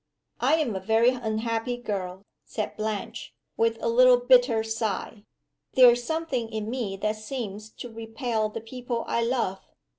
I am a very unhappy girl!" said Blanche, with a little, bitter sigh. "There is something in me that seems to repel the people I love.